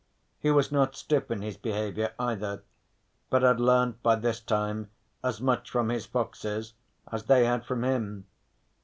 He was not stiff in his behaviour either, but had learnt by this time as much from his foxes as they had from him.